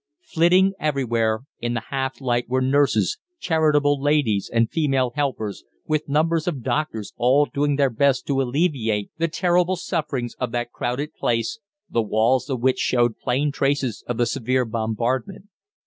Flitting everywhere in the half light were nurses, charitable ladies, and female helpers, with numbers of doctors, all doing their best to alleviate the terrible sufferings of that crowded place, the walls of which showed plain traces of the severe bombardment.